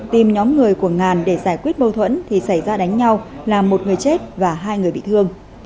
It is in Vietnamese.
tìm nhóm người của ngàn để giải quyết mâu thuẫn thì xảy ra đánh nhau làm một người chết và hai người bị thương